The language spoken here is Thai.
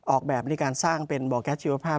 ออกแบบเป็นกันสร้างของแก๊สจีวภาพ